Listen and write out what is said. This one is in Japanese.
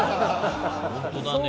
ホントだね。